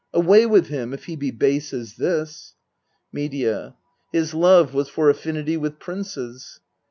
Away with him, if he be base as this ! Medea. His love was for affinity with princes.